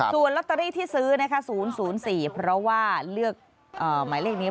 ส่วนลอตเตอรี่ที่ซื้อนะคะ๐๐๔เพราะว่าเลือกหมายเลขนี้